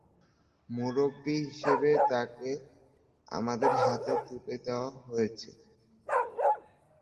মুরব্বি হিসেবে তাঁকে আমাদের হাতে তুলে দেওয়া হয়েছে।